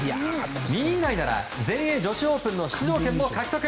２位以内なら全英女子オープンの出場権も獲得。